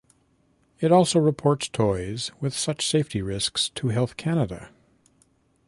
It also reported toys with such safety risks to Health Canada.